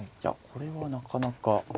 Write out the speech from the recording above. これはなかなか。